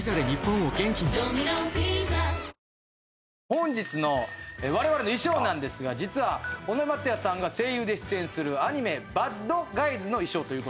本日のわれわれの衣装なんですが実は尾上松也さんが声優で出演するアニメ『バッドガイズ』の衣装と。